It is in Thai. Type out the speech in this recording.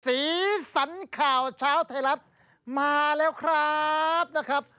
สีสันข่าวเช้าไทยรัฐมาแล้วครับ